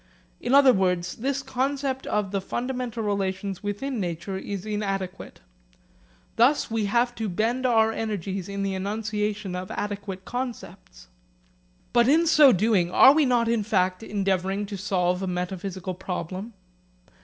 In other words this concept of the fundamental relations within nature is inadequate. Thus we have to bend our energies to the enunciation of adequate concepts. But in so doing, are we not in fact endeavouring to solve a metaphysical problem?